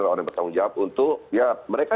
orang yang bertanggung jawab untuk ya mereka